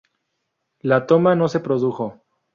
La toma no se produjo.